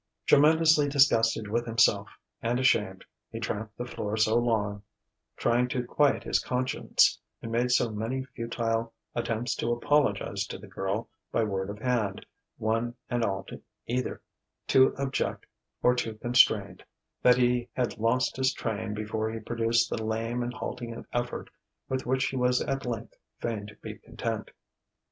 Tremendously disgusted with himself, and ashamed, he tramped the floor so long, trying to quiet his conscience, and made so many futile attempts to apologize to the girl by word of hand one and all either too abject or too constrained that he had lost his train before he produced the lame and halting effort with which he was at length fain to be content.